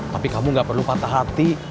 tapi kamu gak perlu patah hati